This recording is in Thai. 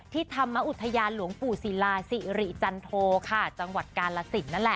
ที่ธรรมอุทยานหลวงปู่ศิลาสิริจันทโทจังหวัดกาลสิน